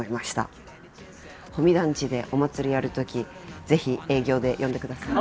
保見団地でお祭りやるときぜひ営業で呼んでください。